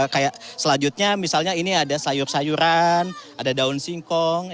kayak selanjutnya misalnya ini ada sayur sayuran ada daun singkong